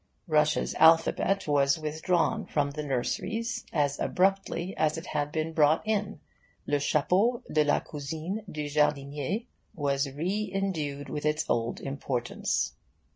Russia's alphabet was withdrawn from the nurseries as abruptly as it had been brought in, and le chapeau de la cousine du jardinier was re indued with its old importance.